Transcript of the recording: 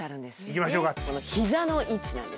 いきましょうか！